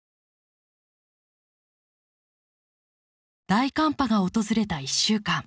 大寒波が訪れた１週間。